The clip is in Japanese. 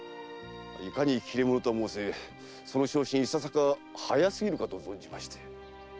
いかに切れ者とは申せその昇進いささか早過ぎるかと存じます。